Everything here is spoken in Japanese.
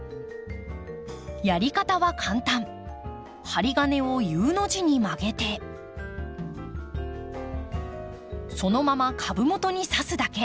針金をＵの字に曲げてそのまま株元に刺すだけ。